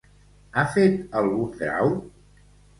Ha fet algun grau?